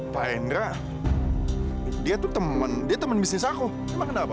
pak endra dia tuh temen dia teman bisnis aku emang kenapa